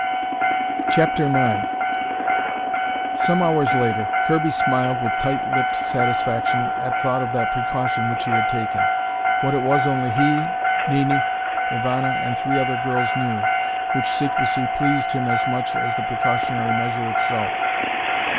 CHAPTER IX Some hours later, Kirby smiled with tight lipped satisfaction at thought of that precaution which he had taken. What it was only he, Nini, Ivana, and three other girls knew, which secrecy pleased him as much as the precautionary measure itself.